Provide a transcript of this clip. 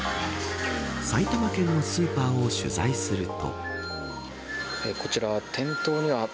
埼玉県のスーパーを取材すると。